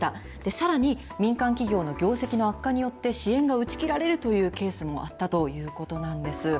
さらに、民間企業の業績の悪化によって、支援が打ち切られるというケースもあったということなんです。